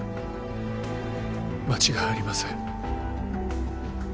間違いありません。